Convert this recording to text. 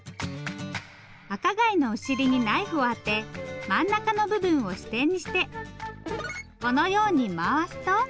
赤貝のお尻にナイフを当て真ん中の部分を支点にしてこのように回すと。